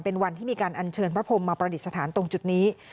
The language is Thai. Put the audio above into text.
เป็นวันที่มีการอัญเชิญพระพรมมาประดิษฐานตรงจุดนี้